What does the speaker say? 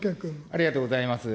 ありがとうございます。